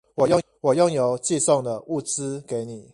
我用郵寄送了物資給你